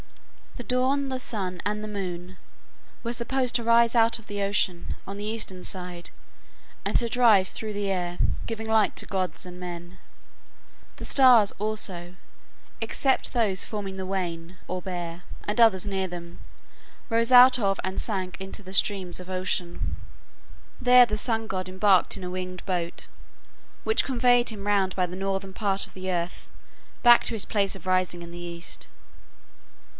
The Dawn, the Sun, and the Moon were supposed to rise out of the Ocean, on the eastern side, and to drive through the air, giving light to gods and men. The stars, also, except those forming the Wain or Bear, and others near them, rose out of and sank into the stream of Ocean. There the sun god embarked in a winged boat, which conveyed him round by the northern part of the earth, back to his place of rising in the east.